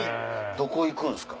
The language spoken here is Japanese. どこ行くんすか？